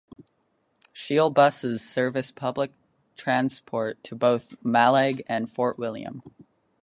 Shiel Buses service public transport to both Mallaig and Fort William.